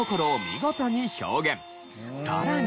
さらに。